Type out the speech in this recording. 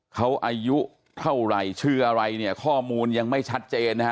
เขาอายุเท่าไหร่ชื่ออะไรข้อมูลยังไม่ชัดเจน